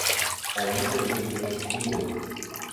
Они дают мне силы.